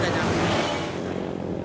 sore sudah nyaman